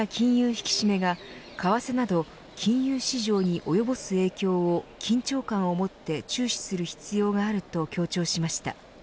引き締めが為替など金融市場に及ぼす影響を緊張感をもって注視する必要があると強調しました。